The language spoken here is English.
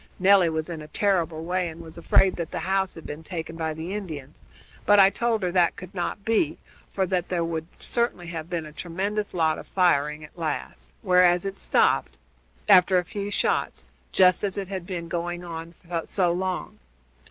Nelly was in a terrible way, and was afraid that the house had been taken by the Indians, but I told her that could not be, for that there would certainly have been a tremendous lot of firing at last, whereas it stopped, after a few shots, just as it had been going on so long.